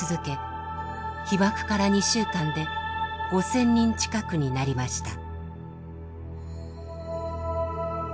被爆から２週間で５，０００人近くになりました。